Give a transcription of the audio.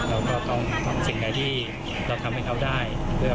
เราก็ต้องทำสิ่งใดที่เราทำให้เขาได้เพื่อ